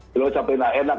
dia ucapkan enak enak